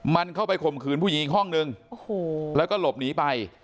มันเข้าไปข่มขืนผู้หญิงอีกห้องนึงแล้วก็หลบหนีไป